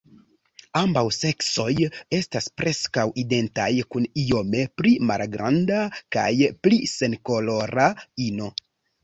Ambaŭ seksoj estas preskaŭ identaj kun iome pli malgranda kaj pli senkolora ino.